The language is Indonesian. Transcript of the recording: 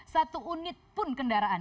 satu unit pun kendaraan